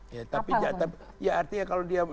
ya artinya kalau dia